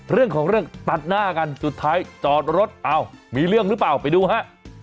เรื่องของเรื่องตัดหน้ากันสุดท้ายจอดรถอ้าวมีเรื่องหรือเปล่าไปดูฮะ